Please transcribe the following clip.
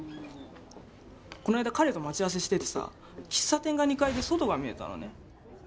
こないだ彼と待ち合わせしててさ喫茶店が２階で外が見えたのね。